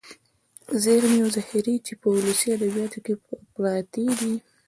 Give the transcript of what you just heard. ذېرمې او ذخيرې چې په ولسي ادبياتو کې پراتې دي.